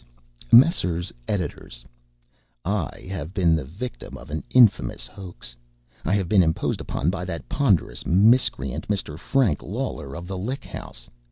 Messrs. Editors, I have been the victim of an infamous hoax. I have been imposed upon by that ponderous miscreant, Mr. Frank Lawler, of the Lick House.